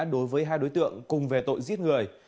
đối với hai đối tượng cùng về tội giết người